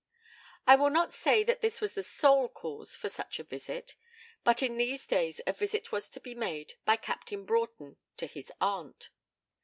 I will not say that this was the sole cause for such a visit, but in these days a visit was to be made by Captain Broughton to his aunt.